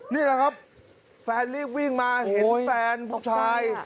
นี่แหละครับแฟนรีบวิ่งมาเห็นแฟนผู้ชาย